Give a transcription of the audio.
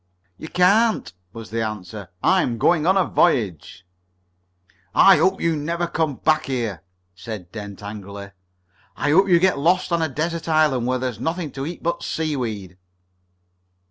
"You can't!" was the answer. "I'm going on a voyage!" "I hope you never come back here!" said Dent angrily. "I hope you get lost on a desert island where there's nothing to eat but seaweed!"